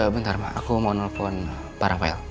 bentar ma aku mau telepon para file